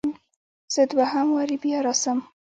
زه دوهم واري بیا راسم؟